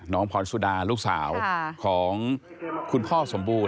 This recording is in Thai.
น้องผ่อนสุดาลลูกสาวของคุณพ่อสมมติ